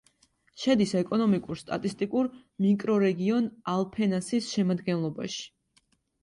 შედის ეკონომიკურ-სტატისტიკურ მიკრორეგიონ ალფენასის შემადგენლობაში.